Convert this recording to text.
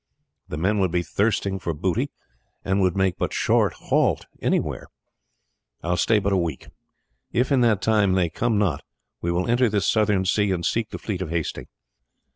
The men would be thirsting for booty, and would make but short halt anywhere. I will stay but a week. If in that time they come not we will enter this southern sea and seek the fleet of Hasting.